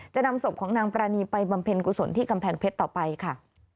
จะนำศพของนางปรานีไปบำเพ็ญกุศลที่กำแพงเพชรต่อไปค่ะ